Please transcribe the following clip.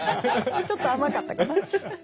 ちょっと甘かったかな。